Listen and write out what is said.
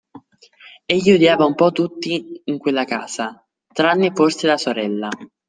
Egli odiava un po' tutti in quella casa, tranne forse la sorella.